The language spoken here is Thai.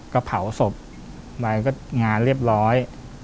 ก็เผาศพงานเรียบร้อย